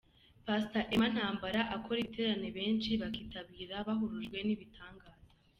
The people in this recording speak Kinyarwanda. Pastor Emma Ntambara akora ibiterane benshi bakitabira bahurujwe n'ibitangaza.